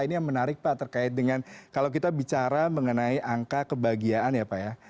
ini yang menarik pak terkait dengan kalau kita bicara mengenai angka kebahagiaan ya pak ya